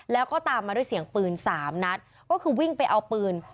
แล้วก็ตามมาด้วยเสียงปืนสามนัดก็คือวิ่งไปเอาปืน